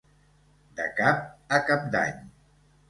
De cap a cap d'any.